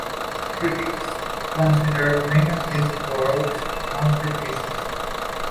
Critics consider many of his works masterpieces.